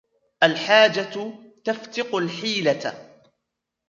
الحاجة تفتق الحيلة.